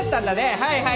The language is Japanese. はいはい。